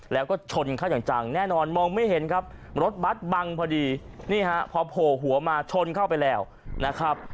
แล้วก็ชนเข้าอย่างจังแน่นอนมองไม่เห็นครับรถบัตรบังพอดีนี่ฮะพอโผล่หัวมาชนเข้าไปแล้วนะครับ